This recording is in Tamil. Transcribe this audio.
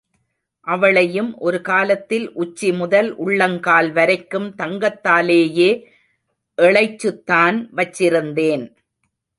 அவளையும் ஒரு காலத்தில் உச்சி முதல் உள்ளங்கால் வரைக்கும் தங்கத்தாலேயே எழைச்சுத்தான் வச்சிருந்தேன்.